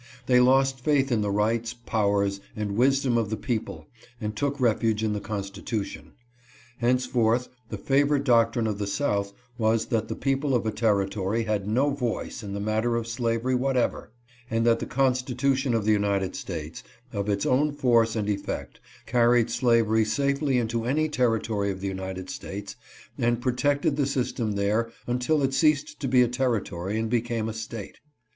They lost faith in the rights, powers, and wisdom of the people and took refuge in the Constitution. Henceforth the favorite doctrine of the South was that the people of a territory had no voice in the matter of slavery whatever ; and that the Constitution of the United States, of its own force and effect, carried slavery safely into any terri tory of the United States and protected the system there until it ceased to be a territory and became a State.